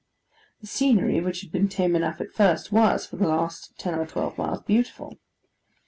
The scenery, which had been tame enough at first, was, for the last ten or twelve miles, beautiful.